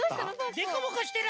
でこぼこしてる？